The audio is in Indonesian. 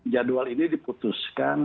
jadwal ini diputuskan